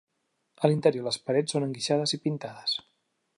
A l'interior, les parets són enguixades i pintades.